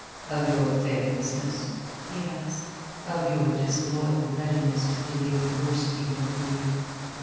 "Of your faithlessness?" he asked. "Of your disloyal readiness to believe the worst evil of me?"